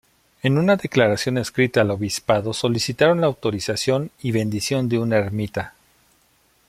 En una declaración escrita al obispado solicitaron la autorización y bendición de una ermita.